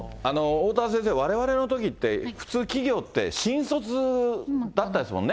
おおたわ先生、われわれのときって、普通、企業って新卒だったですもんね。